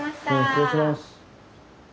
失礼します。